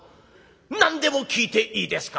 「何でも聞いていいですか？」。